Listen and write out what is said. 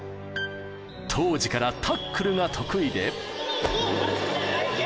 当時からタックルが得意で。